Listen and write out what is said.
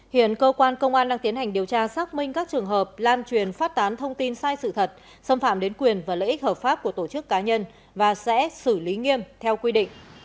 hiện cơ quan công an đang tiến hành điều tra xác minh các trường hợp lan truyền phát tán thông tin sai sự thật xâm phạm đến quyền và lợi ích hợp pháp của tổ chức cá nhân và sẽ xử lý nghiêm theo quy định